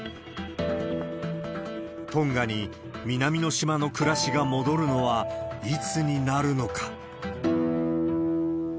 トンガに南の島の暮らしが戻るのはいつになるのか。